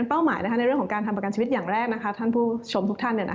เป้าหมายในเรื่องของการทำประกันชีวิตอย่างแรกท่านผู้ชมทุกท่าน